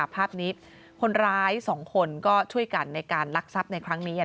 ภาพนี้คนร้าย๒คนก็ช่วยกันในการลักทรัพย์ในครั้งนี้